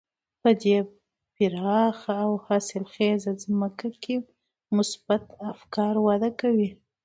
په دې پراخه او حاصلخېزه ځمکه کې مثبت افکار وده کوي.